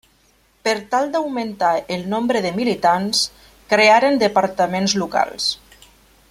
Per tal d'augmentar el nombre de militants, crearen departaments locals.